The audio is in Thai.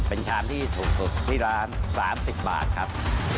เป็นชามที่ถูกสุดที่ร้าน๓๐บาทครับ